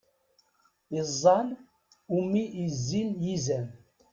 Iẓẓan umi i zzin yizan.